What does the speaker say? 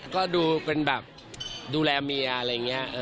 ก็ดูเป็นแบบดูแลเมียอะไรอย่างนี้